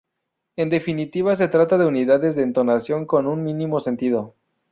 En definitiva, se trata de unidades de entonación con un mínimo sentido.